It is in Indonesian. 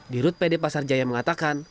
di rut pd pasar jaya mengatakan